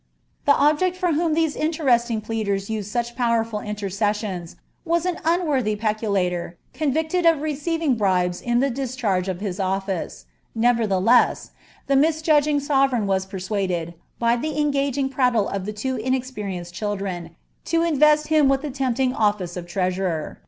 The object for whom these interesting pleaders used eh powerful intercessions was an unworthy peculator, convicted of seiving bribes in the dischai^e of his office ; nevertheless, the misjudg I sovereign was persuaded, by the engaging prattle of two inexperi eed children, to invest him with the tempting office of treasurer.